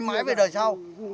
mãi mãi về đời sau